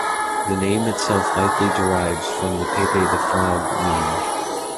The name itself likely derives from the Pepe the Frog meme.